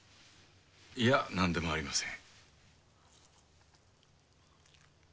いや何でもありません。